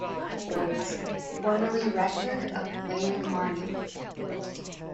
H. Boys, formerly Rector of Layer Marney.